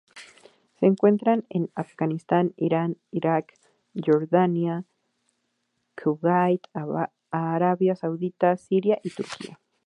Se encuentran en Afganistán, Irán, Irak, Jordania, Kuwait, Arabia Saudita, Siria y Turquía.